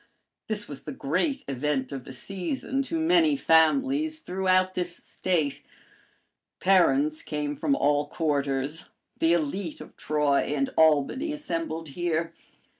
This was the great event of the season to many families throughout this State. Parents came from all quarters; the élite of Troy and Albany assembled here.